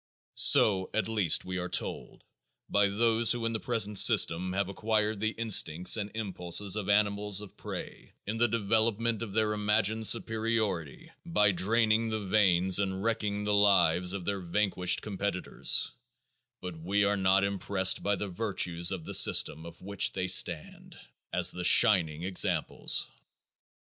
So at least we are told by those who in the present system have acquired the instincts and impulses of animals of prey in the development of their imagined superiority by draining the veins and wrecking the lives of their vanquished competitors, but we are not impressed by the virtues of the system of which they stand as the shining examples.